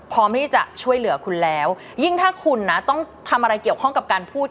พร้อมที่จะช่วยเหลือคุณแล้วยิ่งถ้าคุณนะต้องทำอะไรเกี่ยวข้องกับการพูด